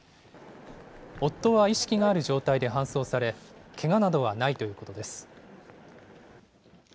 夫は意識がある状態で搬送され、けがなどはないということです。